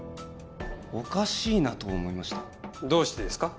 おかしいなと思いましたどうしてですか？